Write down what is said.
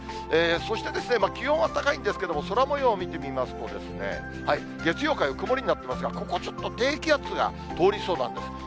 そして、気温は高いんですけれども、空もようを見てみますと、月曜、火曜、曇りになっていますが、ここ、ちょっと低気圧が通りそうなんです。